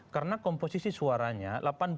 karena komposisi suaranya delapan puluh lima